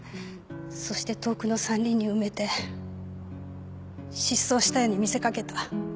そして遠くの山林に埋めて失踪したように見せかけた